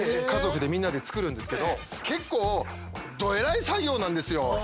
家族でみんなで作るんですけど結構どエライ作業なんですよ。